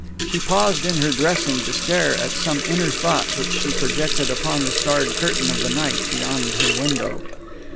She paused in her dressing to stare at some inner thought which she projected upon the starred curtain of the night beyond her window.